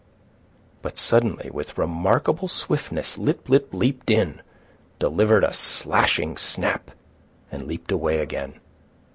But suddenly, with remarkable swiftness, Lip lip leaped in, delivering a slashing snap, and leaped away again.